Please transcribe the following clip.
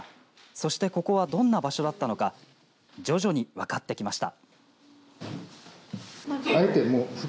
そしてここはどんな場所だったのか徐々に分かってきました。